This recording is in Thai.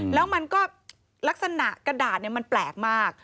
แล้วมันก็ลักษณะกระดาษมันแปลกมาก